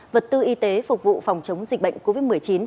vật tư y tế phục vụ phòng chống dịch bệnh covid một mươi chín